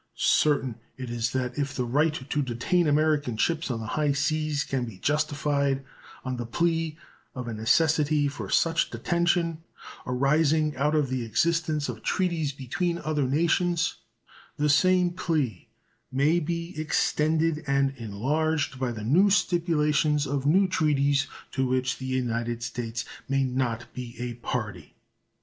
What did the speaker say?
Certain it is that if the right to detain American ships on the high seas can be justified on the plea of a necessity for such detention arising out of the existence of treaties between other nations, the same plea may, be extended and enlarged by the new stipulations of new treaties to which the United States may not be a party.